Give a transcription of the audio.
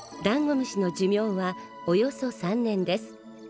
ダンゴムシの寿命はおよそ３年です。